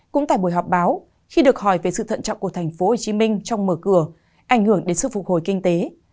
cũng tại buổi họp báo khi được hỏi về sự thận trọng của tp hcm trong mở cửa ảnh hưởng đến sự phục hồi kinh tế